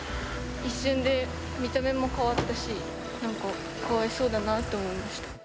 一瞬で見た目も変わったし、なんかかわいそうだなと思いました。